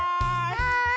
はい！